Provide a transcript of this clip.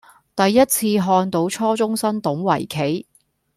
第一次看到初中生懂圍棋